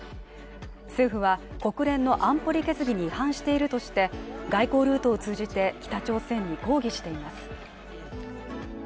政府は国連の安保理決議に違反しているとして外交ルートを通じて北朝鮮に抗議しています。